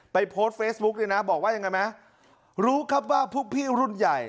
โพสต์เฟซบุ๊กเนี่ยนะบอกว่ายังไงไหมรู้ครับว่าพวกพี่รุ่นใหญ่